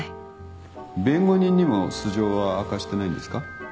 弁護人にも素性は明かしてないんですか？